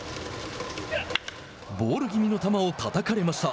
ボールぎみの球をたたかれました。